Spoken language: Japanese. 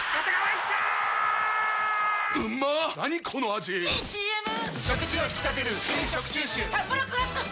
⁉いいＣＭ！！